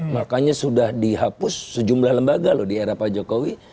makanya sudah dihapus sejumlah lembaga loh di era pak jokowi